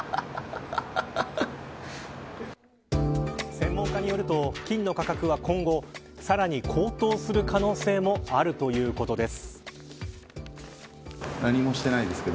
専門家によると金の価格は今後さらに高騰する可能性もあるということです。